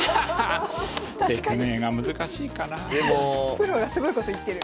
プロがすごいこと言ってる。